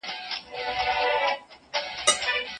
د طالبانو رنجر موټر په تېزۍ سره له سړک تېر شو.